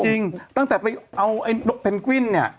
จริงตั้งแต่เอาเพนกวิ้นเนี่ย